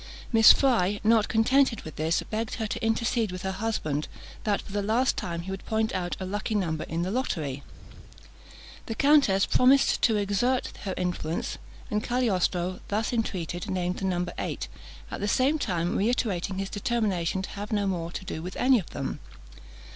Miss Fry, not contented with this, begged her to intercede with her husband, that for the last time he would point out a lucky number in the lottery. The countess promised to exert her influence; and Cagliostro, thus entreated, named the number eight, at the same time reiterating his determination to have no more to do with any of them.